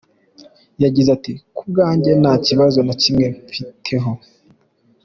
Yagize ati: “Ku bwanjye nta kibazo na kimwe mbifiteho.